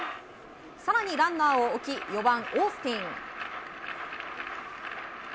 更にランナーを置き４番オースティン。